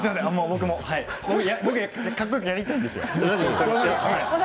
僕もかっこよくやりたいんですよ。